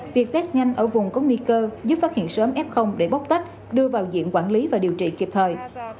việc test nhanh ở vùng có nguy cơ giúp phát hiện sớm f để bóc tách đưa vào diện quản lý và điều trị kịp thời